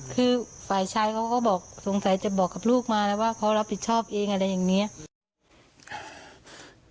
คือฝ่ายชายเขาก็บอกสงสัยจะบอกกับลูกมาแล้วว่าเขารับผิดชอบเองอะไรอย่างนี้